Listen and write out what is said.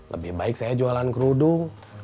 lebih baik saya jualan kerudung